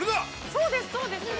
◆そうです、そうです。